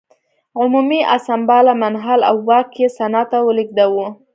عمومي اسامبله منحل او واک یې سنا ته ولېږداوه.